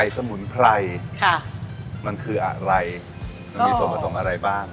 อะไรมันคืออะไรมีส่วนผสมอะไรบ้าง